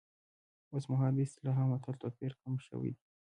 اوس مهال د اصطلاح او متل توپیر کم شوی دی